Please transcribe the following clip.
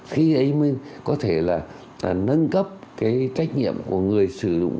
khi ấy mới có thể là nâng cấp cái trách nhiệm của người sử dụng